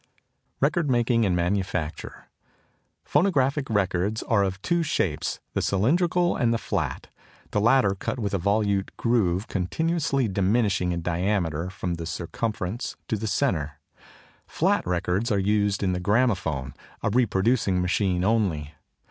Record Making and Manufacture. Phonographic records are of two shapes, the cylindrical and the flat, the latter cut with a volute groove continuously diminishing in diameter from the circumference to the centre. Flat records are used in the Gramophone a reproducing machine only.